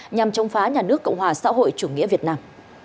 nhằm chống phá nhà nước cộng hòa xã hội chủ nghĩa việt nam